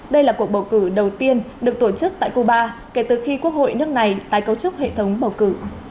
đây là cuộc bầu cử đầu tiên được tổ chức tại cuba kể từ khi quốc hội nước này tái cấu trúc hệ thống bầu cử